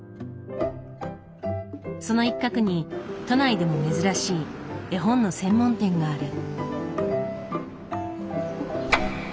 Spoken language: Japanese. その一角に都内でも珍しい絵本の専門店がある。